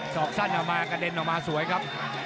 อกสั้นออกมากระเด็นออกมาสวยครับ